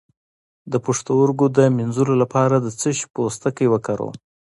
د پښتورګو د مینځلو لپاره د څه شي پوستکی وکاروم؟